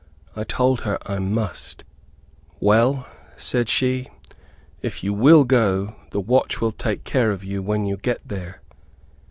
I told her I must, "Well," said she, "if you will go, the watch will take care of you when you get there."